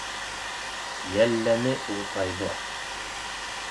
Йәлләне ул тайҙы.